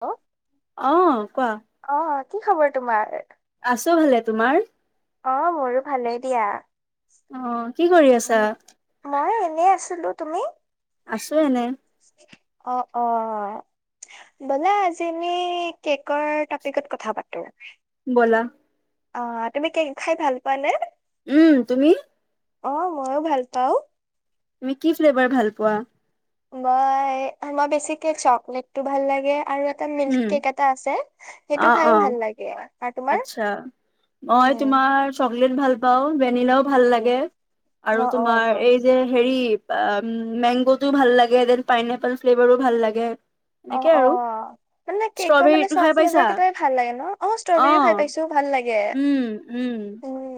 অ। অ'হ কোৱা। অহ' কি খবৰ তোমাৰ? আছো ভালে। তোমাৰ? অহ' মোৰো ভালেই দিয়া। অহ' কি কৰি আছা? ময়ো এনেই আছিলো। তুমি? আছো এনেই। অহ' অ'হ। ব'লা আজি আমি কেকৰ টপিকত কথা পাতোঁ। ব'লা। অহ' তুমি কেক খাই ভাল পোৱা নে? উম তুমি? অহ' ময়ো ভাল পাওঁ। তুমি কি ফ্লেভাৰ ভাল পোৱা? মই মই বেছিকে চকলেটটো ভাল লাগে। আৰু এ। টা মিল্ক উম, কেক এটা আছে সেইটো অ', খাইও ভাল অ', লাগে। আৰু তোমাৰ? আচ্ছা মই উম তোমাৰ চকলেট ভাল পাওঁ, ভেনিলাও। ভাল উম লাগে আৰু অ' অ' তোমাৰ অ' এই। যে হেৰি অহ মেংগোটোও ভাল লাগে দেন পাইনএপল ফ্লেভাৰো ভাল লাগে। অ'হ এনেকে আৰু অহ' মানে কেকৰ মানে ষ্ট্ৰবেৰীটো চব খাই পাইছা? ফ্লেভাৰ কেইটাই ভাল লাগে ন? অহ' ষ্ট্ৰবেৰী খাই অ', পাইছোঁ ভাল লাগে। উম, উম, উম।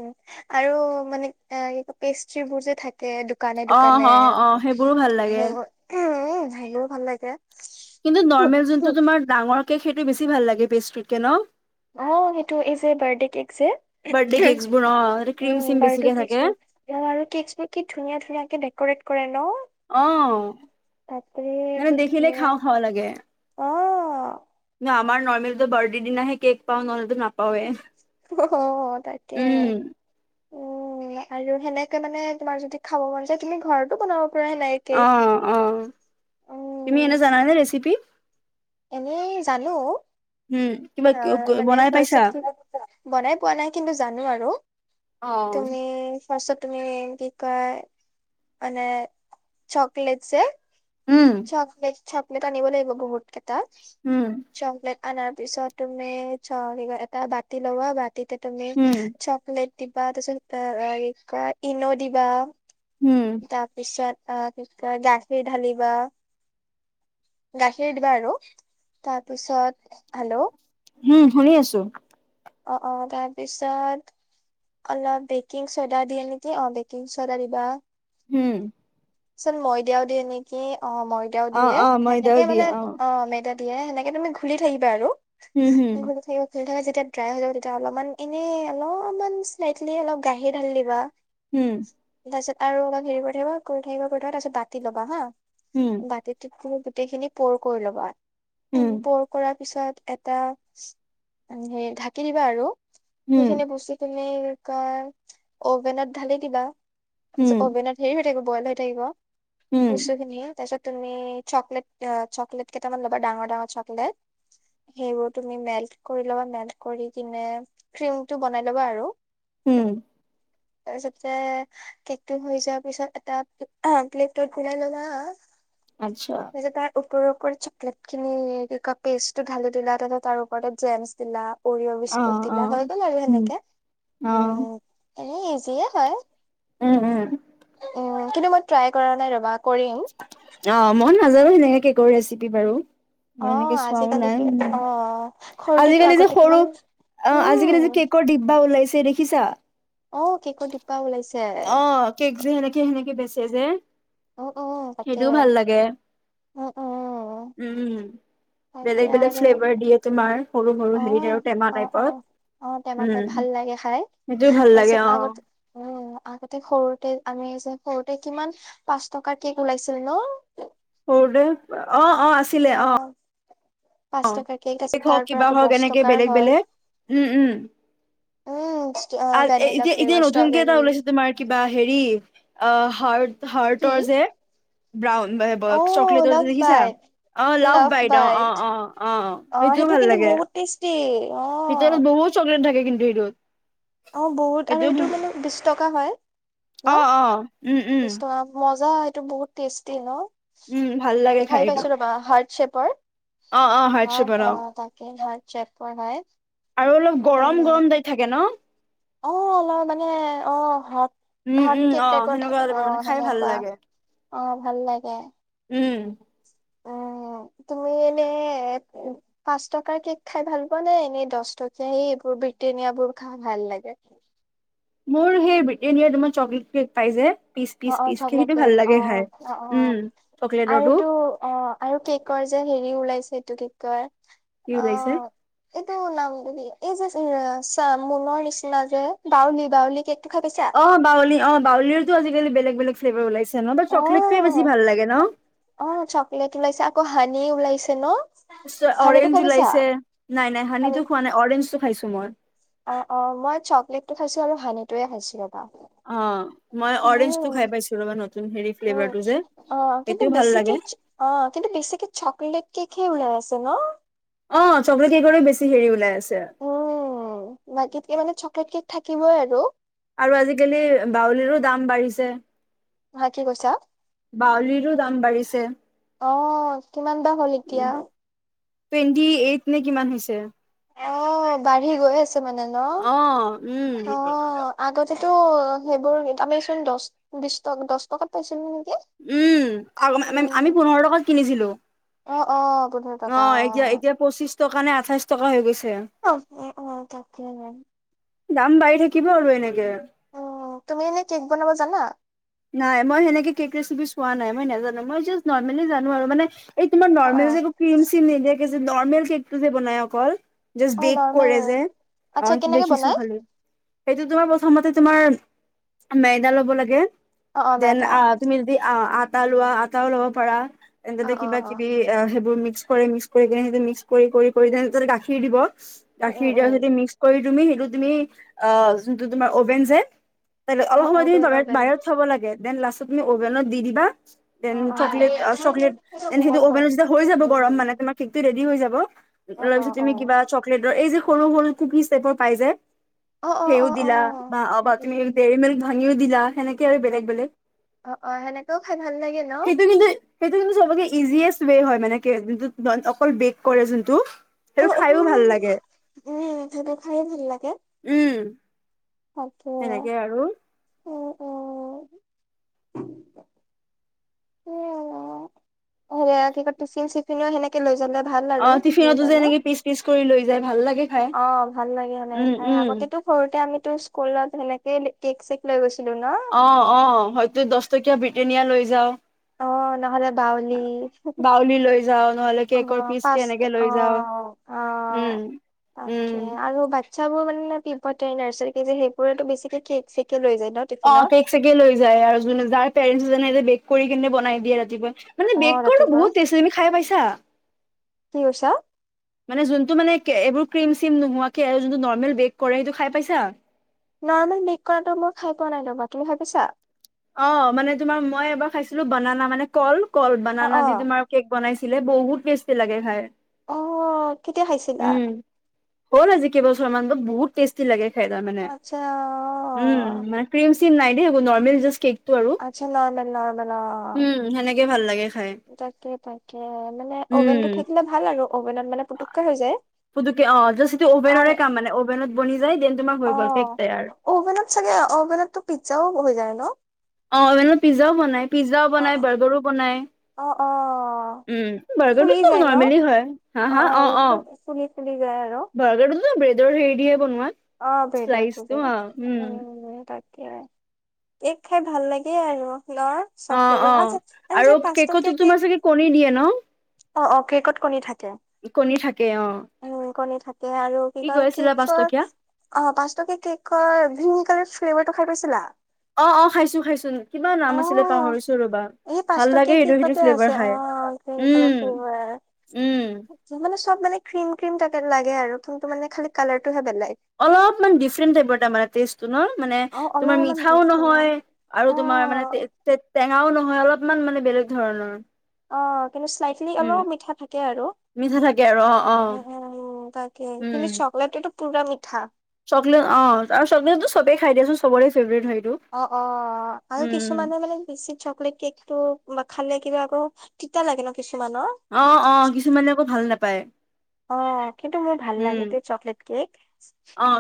আৰু মানে এই পেষ্ট্ৰিবোৰ যে থাকে। দোকানে দোকানে অহ' অহ' অহ' সেইবোৰো ভাল লাগে। সেইবোৰ উম সেইবোৰো ভাল লাগে। কিন্তু নৰ্মেল যোনটো তোমাৰ ডাঙৰ কেক সেইটো বেছি ভাল লাগে পেষ্ট্ৰিত কে ন? অহ' সেইটো এই যে বাৰ্থডে কেক যে। বাৰ্থডে কেকচ বোৰ অহ তাতে' ক্ৰীম চীম বেছিকে থাকে। ইয়াৰ আৰু কেকচবোৰ কি ধুনীয়া ধুনীয়াকে ডেম'ক্ৰেট কৰে ন? অহ' বাপৰে মানে দেখিলেই খাওঁ খাওঁ লাগে। অ'হ। কিন্তু আমাৰ নৰ্মেলি বাৰ্থডে দিনহে কেক পাওঁ নহলেতো নাপাওঁয়ে। অহু ', তাকে। উম আৰু সেনেকে মানে তোমাৰ যদি খাব মন যায় তুমি ঘৰতো বনাব। পাৰা সেনেকে অ, কেক অ। তুমি এনে উম জানানে ৰেচেপি? এনেই জানো। উম অ', মানে বনাই পাইছা? ফাৰ্ষ্টত কি বনাই পোৱা নাই কিন্তু জানো আৰু। অ', তুমি? ফাৰ্ষ্টত তুমি কি কয় মানে চকলেটছে যে উম। চকলেট চকলেট আনিব লাগিব বহুত কেইটা উম, চকলেট অনাৰ পিছত তুমি এটা বাতি লবা বাতিতে তুমি উম, চকলেট দিবা তাৰ পিছত অ কি কয় ইন দিবা উম। তাৰ পিছত অ কি কয় গাখীৰ ঢালিবা। গাখীৰ দিবা আৰু তাৰপিছত হেল্ল। উম, শুনি আছো অ', অ', তাৰপিছত অলপ বেকিং চডা দিয়ে নেকি অ বেকিং চডা দিবা। হম। চোন ময়দা দিয়ে নেকি অ ময়দাও অ', দিয়ে অ', ময়দাও সেনেকে মানে দিয়ে অ মেদা দিয়ে সেনেকে তুমি ঘূলি থাকিবা আৰু হুম, হুম, ঘূলি থাকিবা ঘূলি থাকিবা যেতিয়া ড্ৰাই হৈ যাব তেতিয়া অলপমান এনে অলপমান স্লাইটলি অলপ গাখীৰ ঢালি দিবা। হম। তাৰপিছত আৰু অলপ হেৰি কৰি থাকিবা কৰি থাকিবা কৰি তাৰপিছ বাতি ল'ব হা উম, বাতিটোত তুমি গোটেইখিনি পৰ কৰি ল'বা হুম, পৰ কৰাৰ পিছত এটা সেই ঢাকি দিবা আৰু হুম, সেইখিনি বস্তুখিনি কি কয় অভেনত ঢালি দিবা হুম, তাৰপিছত অভেনত হেৰি হৈ থাকিব বইল হয় থাকিব। হুম, বস্তু খিনি তাৰপিছত তুমি চকলেট অ', চকলেট কেইটামান ল'বা ডাঙৰ ডাঙৰ চকলেট সেইবোৰ তুমি মেল্ট কৰি ল'বা মেল্ট কৰি কিনে ক্ৰীম টো বনাই ল'বা আৰু। উম,। তাৰপিছততে কেক টো হৈ যোৱাৰ পিছত এটা অ প্লেটোত ওলাই লবা আচ্ছা তাৰপিছত তাৰ ওপৰে ওপৰে চকলেট খিনি পেষ্টটো ঢালি দিলা তাৰপত তাৰ ওপৰতে জেমছ দিলা। অৰিয়হ বিস্কুট অ', দিলা অ', হৈ গল আৰু উম, সেনেকে উম অ', এনে ইজিয়ে হয়। উম, উম। উম কিন্তু মই ট্ৰাই কৰা নাই ৰবা কৰিম। অ', মই নাজানো সেনেকে কেকৰ ৰেচিপি বাৰু। অ মই, এনেকে চোৱাও নাই আজিকালিতো অ উম সৰুতেতো আজিকালি যে আগতে সৰু কিমান অ', আজিকালি যে উম কেকৰ ডিব্বা ওলাইছে দেখিছা অ', কেকৰ ডিব্বা ডিব্বা ওলাইছে অ', কেক যে সেনেকে সেনেকে বেচে যে অ অ তাকে সেইটোও ভাল লাগে। উ উম উম, তাকে বেলেগ বেলেগ আৰু ফ্লেভাৰ দিয়ে। তোমাৰ সৰু সৰু অ হেৰিত আৰু টেমা অ অ টাইপত অ টেমাটাই উম ভাল লাগে খাই সেইটো ভাল লাগে তাৰপিছত অ'। আগতে উম' আগতে সৰুতে আমি যে সৰুতে কিমান পাঁচ টকাৰ কেক ওলাইছিল ন'। সৰুতে অ' অ' আছি অ'। পাঁচ টকাৰ কেক আছে, হওক তাৰপৰা কিবা আকৌ হওক দহ এনেকে টকাৰ বেলেগ হল। বেলেগ উম উম আ উম' ভেনিলা এতিয়া এতিয়া ফ্লেভাৰ, নতুনকে এটা ষ্ট্ৰবেৰী। ওলাইছে তোমাৰ কিবা হেৰি অ' কি হাৰ্ট-হাৰ্টৰ যে। ব্ৰাউন বাই ব অ চকলেটৰ লাভ দেখিছা? বাইট অ' লাভ বাইট অ' অ' অ'। অ' সেইটোও সেইটো ভাল কিন্তু লাগে। বহুত টেষ্টি অ'। ভিতৰত বহুত চকলেট থাকে কিন্তু সেইটোত। অ' বহুত আৰু সেইটো মানে বিশ টকা হয় অ অ উম ন'। উম বিছ টকা মজা এইটো বহুত টেষ্টি ন'। উম ভাল লাগে খাই এইটো পাইছো ৰবা! হাৰ্ট শ্বেপৰ। অ হাৰ্ড অ' চেপৰ অ', তাকে হয় হাৰ্ট শ্বেপৰ হয়। আৰু অলপ গৰম গৰম টাইপ থাকে ন'। অ' মই মানে অ' [unintelligible] উম হয়' উম কেক অ টাইপৰ সেনেকুৱা থাকে টাইপৰ মানে অ', খাই ভাল সেনেকুৱা লাগে অ' ভাল লাগে। উম'। অ' তুমি এনে পাঁচ টকাৰ কেক খাই ভাল পোৱা নে? এনেই দহ টকীয়া এইবোৰ ব্ৰিটেনিয়া বোৰ খাই ভাল লাগে? মোৰ সেই ব্ৰিটেনিয়াৰ তোমাৰ চকলেট কেক পাই যে পিচ অ পিচ অ পিচকে চকলেট সেইটো কেক ভাল অ লাগে খাই। অ অ উম' চকলেতৰটো। আৰুতো অ আৰু কেকৰ যে হেৰি ওলাইছে এইটো কি কৈ কি ওলাইছে অ'। এইটো নামটো কি এই যে [unintelligible] নিচিনা যে বাউলি বাউলি কেকটো খাই পাইছা? অ' বাউলি অ' বাউলিৰতো আজিকালি বেলেগ বেলেগ ফ্লেভাৰ ওাইছে ন', বাট চকলেটটোৱে বেছি অ', ভাল লাগে ন'। অ' চকলেট ওলাইছে, আকৌ হানি ওলাইছে ন'। হানিটো খাই অৰেঞ্জ পাইছা? ওলাইছে নাই নাই হানি হানিটো খোৱা নাই অৰেঞ্জটো খাইছো মই। অ' অ', মই চকলেটটো খাইছো আৰু হানিটোয়ে খাইছো ৰবা! অ' মই অৰেঞ্জটো খাই উম, পাইছো ৰবা, নতুন হেৰি উম, ফ্লেভাৰটো যে অ', কিন্তু সেইটো ভাল বেছিকে লাগে। অ' কিন্তু বেছিকে চকলেট কেকহে ওলাই আছে ন'। অ' চকলেট কেকৰে বেছি হেৰি ওলাই আছে। উম, বাকীতকে মানে চকলেট কেক থাকিবই আৰু। আৰু আজিকালি বাউলিৰো দাম বাৰিছে। হা কি কৈছা? বউলিটো দাম বাঢ়িছে। অ', কিমান বা হ'ল এতিয়া? টুৱেণ্টি এইট নে কিমান হৈছে? অ' বাঢ়ি গৈ আছে মানে ন'। অ উম অ'! আগতেটো সেইবোৰ আমিচোন দহ-বিশ টকা দহ টকাত পাইছিলো নেকি। উম' আ-আ-আমি আমি উম পোন্ধৰ টকাত কিনিছিলো। অ' অ'। পোন্ধৰ টকা অ' এতিয়া এতিয়া পঁচিশ টকা নে আঠাইশ টকা হৈ গৈছে। অ' অ' তাকে তাকে। দাম বাঢ়ি থাকিব আৰু এনেকে। অ' তুমি এনে কে'ক বনাব জানা? নাই মই সেনেকে কেক ৰেচিপি চোৱা নাই, মই নাজানো মই জাষ্ট নৰ্মেলি জানো আৰু মানে। এই তোমাৰ অ অ নৰ্মেল যে একো কিৰিম-চিৰিম নিদিয়া যে নৰ্মেল কেকটো যে বনাই অকল। জাষ্ট অ বেক নৰ্মেল কৰে যে অ', আচ্ছা সেইটো কেনেকে দেখিছো বনাই? খালি। সেইটো তোমাৰ প্ৰথমতে তোমাৰ ময়দা লব লাগে। অ অ দেন মেদা আহ তুমি যদি আটা লোৱা আটাও লব পাৰা, তেন্ত অ ততে অ অ কিবা-কিবি। সেইবোৰ মিক্স কৰি মিক্স কৰি কিনে সেইটো মিক্স কৰি কৰি ততে গাখীৰ দিব। গাখীৰ উম উম এগিলাচ দি মিক্স কৰি তুমি সেইটো তুমি অহ, যোনটো তোমাৰ অভেন যে। অ অলপ সময় তুমি অভেন ধৰা অভেন বাহিৰত থব লাগে। দেন লাষ্টত তুমি অভেনত দি দিবা। অ দেন অ অ অ চকলেত চকলেত দেন সেইটো অভেনত হৈ যাব গৰম মানে তোমাৰ কেকটো ৰেদি হৈ যাৱ। তাৰ অ পিছত তুমি কিবা চকলেটৰ এই যে সৰু সৰু কুফিজ টাইপৰ পাই যে, অ সেই। অ অ দিলা অ বা উম তুমি উম দেৰি মিল্ক ভাঙিও দিলা সেনেকে। আৰু অ বেলেগ বেলেগ, অ অ সেনেকেও খাই ভাল লাগে ন? সেইটো কিন্তু। সেইটো কিন্ত চবকে ইজিয়েষ্ট ৱে হয় মানে, অকল বেক কৰে যোনটো। অ সেইটো অ খাইও ভাল লাগে। উম সেইটো খাইয়ে ভাল লাগে। উম, তাকে। সেনেকে আৰু উম উম সেয়া কি কয় টিফিন চিফিনও সেনেকে লৈ যাবলে ভাল অ আৰু। লৈ টিফিনতো যে জানো। এনেকে পিচ পিচ কৰি লৈ যাই ভাল লাগে। খাই অহ, ভাল লাগে। এনেকে উম চাই উম আগতেতো। সৰুতে আমিতো স্কুলত সেনেকেই কেক -চেক লৈ গৈছিলো নহ। অহ, অহ হয়তো দহ টকীয়া ব্ৰিটেনিয়া লৈ যাও। অহ। নহলে বাউলী, বাউলি লৈ যাও নহলে কেকৰ পিচ পাচ এনেকে লৈ যাও অহ। উম, তাকে উম আৰু বাকী। চাবোৰ মানে পিপথে নাৰ্চাৰী কে যে সেইবোৰে তো বেছিকে কেক -চেকে লৈ যায় নহ। অহ, কেক -চেকে লৈ যায়। আৰু যোনে যাৰ পেৰেণ্টছ এনে বেক কৰি কিনে বনাই দিয়ে ৰাতিপুৱা। মানে অ বেক কৰাটো ৰাতিপুৱা বহুত টেস্ট। তুমি খাই পাইছা? কি কৈছা? মানে যোনটো মানে এইবোৰ ক্ৰীম -চিম নোহোৱাকে আৰু যোনটো নৰ্মেল বেক কৰে সেইটো খাই পাইছা? নৰ্মেল মেক কৰাটো মই খাই পোৱা নাই ৰ'বা। তুমি খাই পাইছা? অহ, মানে তোমাৰ মই এবাৰ খাইছিলো বনানা মানে কল। কল অ বনানা অ দি তোমাৰ। কেক বনাইছিলে বহুত টেষ্টি লাগে খাই। অহ, কেতিয়া খাইছিলা? উম হ'ল আজি কেইবছৰ মান। বহুত টেষ্টি লাগে খাই। তাৰ মানে। আচ্ছা অ', উম' ক্ৰীম চিম নাই দেই কোনো, নৰ্মেল যাষ্ট। কেক টো আৰু। আচ্ছা, নৰ্মেল নাৰ্মেল অহ। সেইতো ভাল লাগে খাই। তাকে, তাকে মানে উম, অভেনটো থাকিলে ভাল আৰু। অভেনত মানে পেটুককে হৈ যায়। পুতুকে অহ, যাষ্ট এইটো আৰ অভেনৰে কাম মানে। অভেনত বনি যায় দেন তোমাৰ হৈ গ'ল কেক অ', তৈয়াৰ। অভেনত চাগে অভেনতো পিজ্জাও বহি যায় নহ? অহ, মানে পিজ্জাও বনাই। পিজ্জাও বনাই অ', বাৰ্গাৰও বনায়। অ, অ। উম, ফুলি বাৰ্গাৰটো চব যায় ন? নৰ্মেলি হয়, হা, হা অ, অ। ফুলি- ফুলি যায় আৰু। বাৰ্গাৰটো ত ব্ৰেডৰ হেৰি দিহে বনোৱা। অহ, শ্লাইচটো অ' উম। তাকে। কেক খাই ভাল লাগে আৰু নহ। অ, অ আৰু কেকতো কেক তোমাৰ চাগে কণী দিয়ে নহ। অ, অ কেকত কণী থাকে। কণী থাকে অ'। উম কণী থাকে আৰু। কি কৈ কয় আছিলা কেকচৰ পাঁচটকীয়া? অহ পাঁচ টকিয়া কেকৰ গ্ৰীণ কালাৰ ফ্লেভাৰটো খাই পাইছিলা। অ, অ খাইছো, খাইছো। কিবা নাম অ আছিলে পাহৰিছো ৰবা। এই পাঁচ ভাল লাগে টকীয়া সেইটো কেকতে ফ্লেভাৰ আছে অ খায়। গ্ৰীণ কালাৰ উম, ফ্লেভাৰ উম মানে চব মানে ক্ৰীম -ক্ৰীম লাগে। আৰু কিন্তু টো মানে খালি কালাৰটোহে বেলেগ। অলপমান ডিফাৰেণ্ট টাইপৰ তাৰমানে টেষ্টটো নহ। মানে অ তোমাৰ অলপমান মিঠাও দিছিল অ নহয়। আৰু অ তোমাৰ মানে টেঙাও নহয় অলপমান মানে বেলেগ ধৰণৰ। অ' কিন্তু শ্লাইটলি উম অলপ মিঠা থাকে আৰু মিঠা থাকে আৰু অ অ তাকে উম কিন্তু চকলেট এটো পুৰা মিঠা চকলেট অ' চকলেটো চবেই খাই দিয়াচোন চবৰে ফেভৰেট হয় সেইটো অ' অ' আৰু কিছুমানে মানে বেছি চকলেট কেক- তটো বা খালে কিবা আকৌ তিতা লাগে ন কিছুমানৰ অ' অ' কিছুমানে আকৌ ভাল নাপায় অ' কিন্তু মোৰ ভাল লাগে তে চকলেট কেক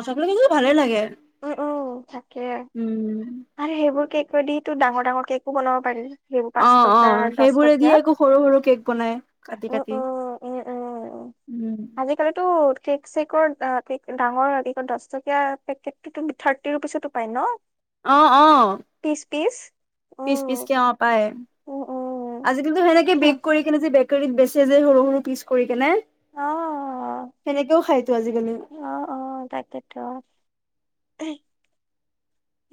সকলো কিন্তু ভালেই লাগে উম উম তাকে উম আৰু সেইবোৰ কেক দি তো ডাঙৰ ডাঙৰ কেকো বনাব পাৰি সেইবোৰ অ পাঁচ অ টকা দশ সেইবোৰে টকা দিয়ে আকৌ সৰু সৰু কেক বনাই কাটি উ কাটি উ উম উম উম আজিকালিতো কেক চকৰ কে ডাঙৰ দহ টকীয়া পেকেট থাৰ্টি ৰুপিচতো পাই ন অ' অ' পিচ পিচ পিচ উম পিচ কে অ' পায় উম উম আজি কিন্তু সেনেকে বেক কৰি কেনে যে বেকাৰীত বেচে যে সৰু সৰু পিচ কৰি পেলাই। অ সেনেকেও খাইছো আজিকালি অ' অ' তাকেইেতো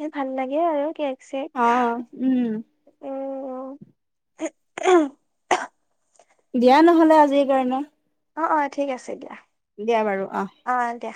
এ ভাল লাগে আৰু কি আছে অ' উম উম দিয়া নহলে আজিৰ কাৰণে অ' অ' ঠিক আছে দিয়া দিয়া বাৰু অ' অ' দিয়া